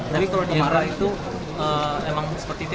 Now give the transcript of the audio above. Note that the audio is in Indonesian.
tapi kalau di mara itu emang seperti itu